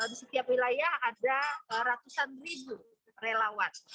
di setiap wilayah ada ratusan ribu relawan